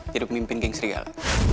jadi pemimpin geng serigala